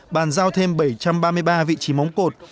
bàn giao thêm bảy trăm ba mươi ba vị trí móng cột